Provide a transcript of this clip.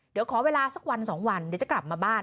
เดี๋ยวขอเวลาสักวัน๒วันเดี๋ยวจะกลับมาบ้าน